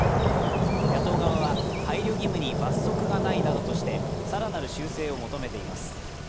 野党側は、配慮義務に罰則がないなどとして更なる修正を求めています。